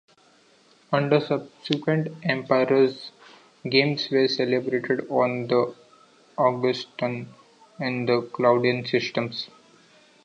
Under subsequent emperors, Games were celebrated on both the Augustan and the Claudian systems.